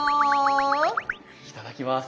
いただきます。